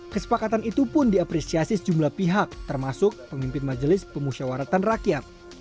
kesepakatan itu pun diapresiasi sejumlah pihak termasuk pemimpin majelis pemusyawaratan rakyat